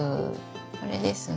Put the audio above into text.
これですね。